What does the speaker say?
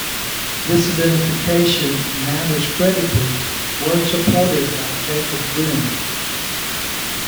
This identification, now discredited, was supported by Jacob Grimm.